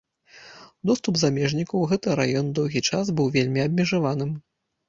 Доступ замежнікаў у гэты раён доўгі час быў вельмі абмежаваным.